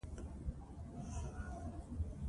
علامه حبیبي د تعلیم د پراختیا غوښتونکی و.